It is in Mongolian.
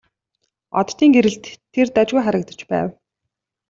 Оддын гэрэлд тэр дажгүй харагдаж байв.